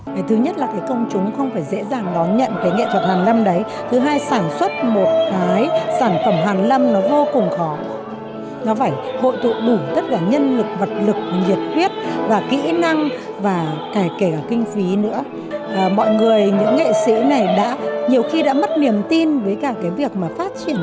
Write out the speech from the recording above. phát triển nghệ thuật hàn lâm này rồi vấn đề là người ta không tin